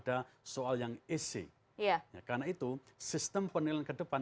anda langsung ada soal yang isi karena itu sistem penilaian kedepan